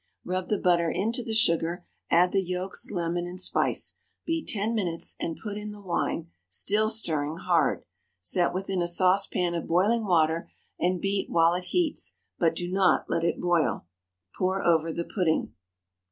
Rub the butter into the sugar, add the yolks, lemon, and spice. Beat ten minutes and put in the wine, still stirring hard. Set within a saucepan of boiling water, and beat while it heats, but do not let it boil. Pour over the pudding.